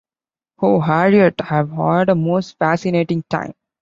Oh, Harriet, I’ve had a most fascinating time.